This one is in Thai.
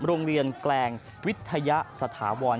โรงเรียนแกลงวิทยาสถาวร